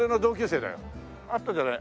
あったじゃない。